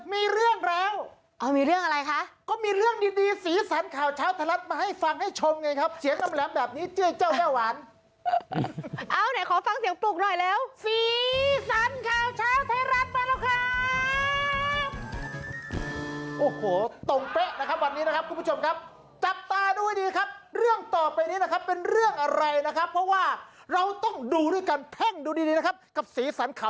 มีเรื่องแล้วอ้าวมีเรื่องอะไรคะก็มีเรื่องดีศีรสันข่าวเช้าทะลัดมาให้ฟังให้ชมเลยครับเสียงกำแหลมแบบนี้เจ้าแม่หวานเอาหน่อยขอฟังเสียงปลุกหน่อยแล้วศีรสันข่าวเช้าทะลัดมาแล้วครับโอ้โหต่งเป๊ะนะครับวันนี้นะครับคุณผู้ชมครับจับตาดูดีครับเรื่องต่อไปนี้นะครับเป็นเรื่องอะไร